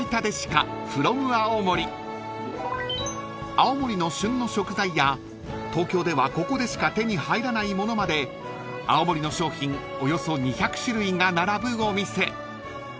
［青森の旬の食材や東京ではここでしか手に入らないものまで青森の商品およそ２００種類が並ぶお店］